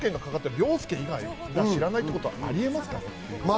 凌介以外知らないってことありますか？